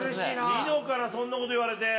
ニノからそんなこと言われて。